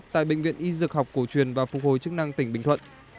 tại bệnh viện y dược học cổ truyền và phục hồi chức năng tỉnh bình thuận